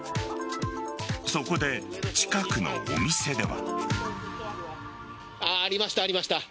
そこで近くのお店では。